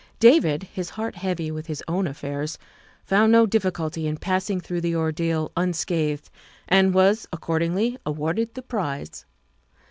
David, his heart heavy with his own affairs, found no difficulty in passing through the ordeal unscathed, and was accordingly awarded the prize.